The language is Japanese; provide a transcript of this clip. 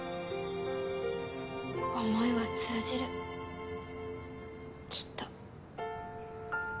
思いは通じるきっと。